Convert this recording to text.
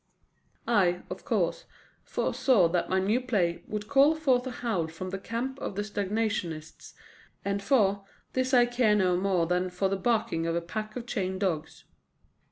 I, of course, foresaw that my new play would call forth a howl from the camp of the stagnationists; and for this I care no more than for the barking of a pack of chained dogs.